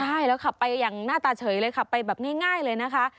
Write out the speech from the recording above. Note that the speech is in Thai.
ใช่แล้วขับไปอย่างหน้าตาเฉยเลยขับไปแบบง่ายเลยนะคะ